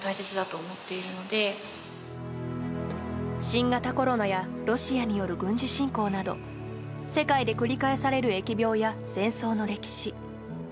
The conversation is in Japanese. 新型コロナやロシアによる軍事侵攻など世界で繰り返される疫病や戦争の歴史。